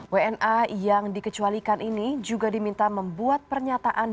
wna yang dikecualikan ini juga diminta membuat pernyataan